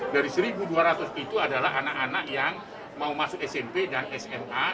dari satu dua ratus itu adalah anak anak yang mau masuk smp dan sma